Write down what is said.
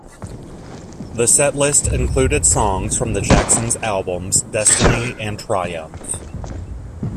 The set list included songs from the Jackson's albums "Destiny" and "Triumph".